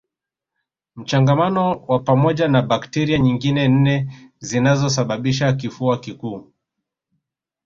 Mchangamano wa pamoja na bakteria nyingine nne zinazosababisha kifua kikuu